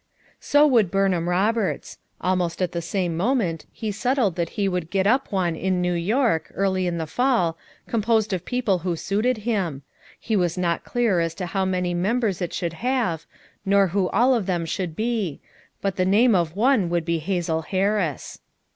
So would Burnham Roberts; almost at the same moment he settled that he would get up one in New York, early in the fall, composed of people who suited him; he was not clear as to how many members it should have, nor who all of them should be ; but the name of one would be Hazel Harris.